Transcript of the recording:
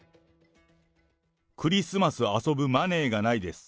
クリスマス遊ぶマネーがないです。